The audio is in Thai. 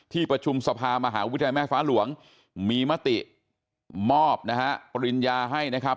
ที่ประชุมสภามหาวิทยาลัยแม่ฟ้าหลวงมีมติมอบนะฮะปริญญาให้นะครับ